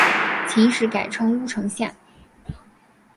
秦时改称乌程县。